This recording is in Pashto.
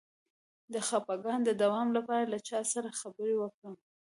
د خپګان د دوام لپاره له چا سره خبرې وکړم؟